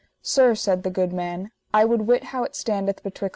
Sir, said the good man, I would wit how it standeth betwixt God and you.